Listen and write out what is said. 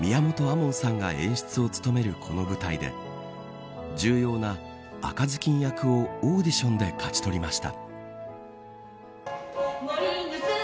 門さんが演出を務めるこの舞台で重要な赤ずきん役をオーディションで勝ち取りました。